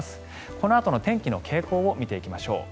このあとの天気の傾向を見ていきましょう。